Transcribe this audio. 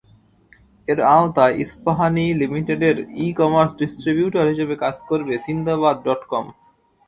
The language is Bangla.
এর আওতায় ইস্পাহানি লিমিটেডের ই কমার্স ডিস্ট্রিবিউটর হিসেবে কাজ করবে সিন্দাবাদ ডটকম।